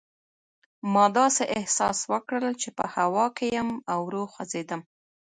ما داسې احساس وکړل چې په هوا کې یم او ورو خوځېدم.